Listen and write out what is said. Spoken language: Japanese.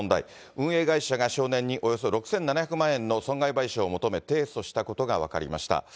運営会社が少年におよそ６７００万円の損害賠償を求め、提訴したことが分かりました。